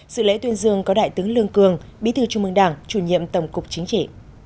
sự lễ tuyên dương có đại tướng lương cường bí thư trung mương đảng chủ nhiệm tổng cục chính trị